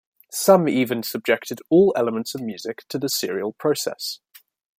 Some even subjected all elements of music to the serial process.